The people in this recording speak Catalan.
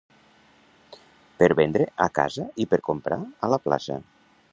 Per vendre, a casa, i, per comprar, a la plaça.